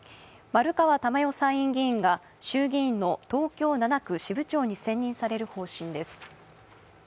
丸川珠代参院議員が衆議院の東京７区支部長に選任される方針です。